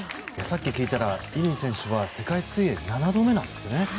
さっき聞いたら乾選手は世界水泳７度目なんですね。